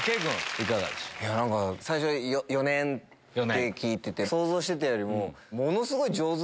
いや何か最初４年って聞いてて想像してたよりもものすごい上手で。